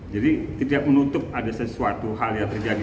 jadi tidak menutup ada sesuatu hal yang terjadi